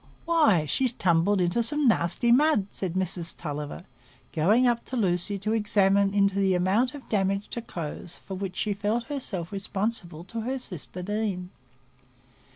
"Why, she's tumbled into some nasty mud," said Mrs Tulliver, going up to Lucy to examine into the amount of damage to clothes for which she felt herself responsible to her sister Deane.